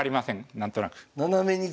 何となく。